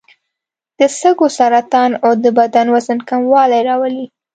د سږو سرطان او د بدن وزن کموالی راولي.